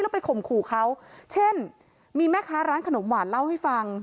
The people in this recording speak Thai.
แล้วไปข่มขู่เขาเช่นมีแม่ค้าร้านขนมหวานเล่าให้ฟัง